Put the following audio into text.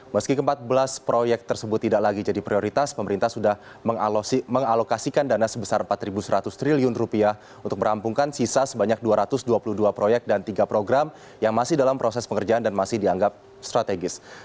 meski ke empat belas proyek tersebut tidak lagi jadi prioritas pemerintah sudah mengalokasikan dana sebesar rp empat seratus triliun untuk merampungkan sisa sebanyak dua ratus dua puluh dua proyek dan tiga program yang masih dalam proses pengerjaan dan masih dianggap strategis